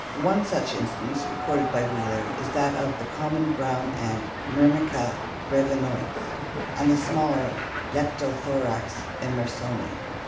One such instance, recorded by Wheeler, is that of the common red brown ant Myrmica brcvinoides and the smaller Leptolhorax enter soni.